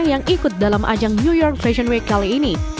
yang ikut dalam ajang new york fashion week kali ini